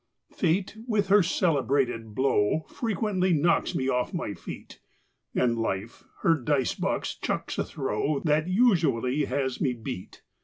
Fate with her celebrated blow Frequently knocks me off my feet; And Life her dice box chucks a throw That usually has me beat.